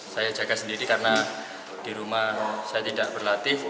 saya jaga sendiri karena di rumah saya tidak berlatih